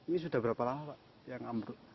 ini sudah berapa lama pak yang ambruk